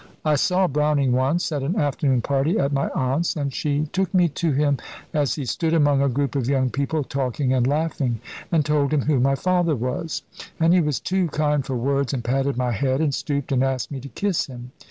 I saw Browning once at an afternoon party at my aunt's; and she took me to him as he stood among a group of young people, talking and laughing, and told him who my father was; and he was too kind for words, and patted my head, and stooped and asked me to kiss him.